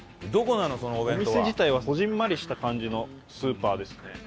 お店自体はこぢんまりした感じのスーパーですね。